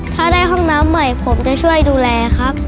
ถ้าได้ห้องน้ำใหม่ผมจะช่วยดูแลครับ